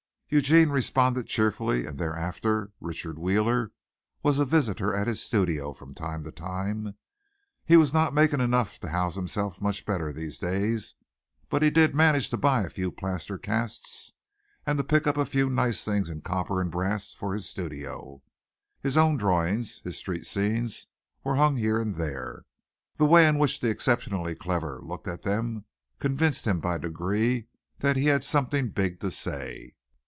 Eugene responded cheerfully and thereafter Richard Wheeler was a visitor at his studio from time to time. He was not making enough to house himself much better these days, but he did manage to buy a few plaster casts and to pick up a few nice things in copper and brass for his studio. His own drawings, his street scenes, were hung here and there. The way in which the exceptionally clever looked at them convinced him by degrees that he had something big to say.